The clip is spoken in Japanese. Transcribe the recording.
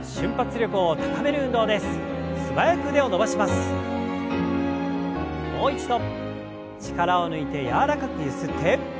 力を抜いて柔らかくゆすって。